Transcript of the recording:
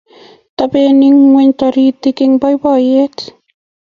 Tobeni ngweny taritik eng boiboiyet